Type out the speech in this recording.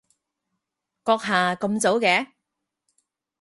閣下咁早嘅？